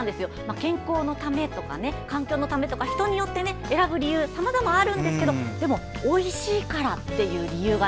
健康や環境のためなど人によって選ぶ理由はさまざまあるんですけどでもおいしいからっていう理由が